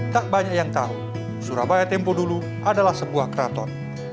tak banyak yang tahu surabaya tempo dulu adalah sebuah keraton